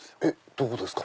どこですか？